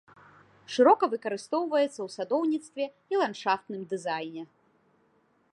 Шырока выкарыстоўваецца ў садоўніцтве і ландшафтным дызайне.